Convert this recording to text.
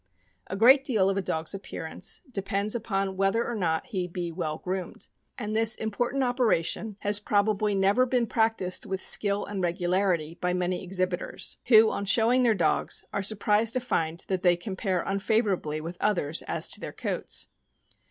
A great deal of a dog's appearance depends upon whether or not he be well groomed; and this important operation has probably never been practiced with skill and regularity by many exhibitors, who, on showing their dogs, are surprised to find that they compare unfavorably with others as to their coats.